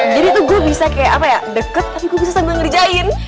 jadi tuh gue bisa kayak apa ya deket tapi gue bisa sambil ngerijain